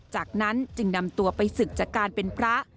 จากนั้นจึงนำตัวไปศึกจากการเป็นพระ